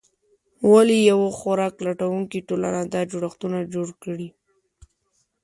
ولې یوه خوراک لټونکې ټولنه دا جوړښتونه جوړ کړي؟